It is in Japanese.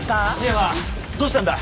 緋山どうしたんだ？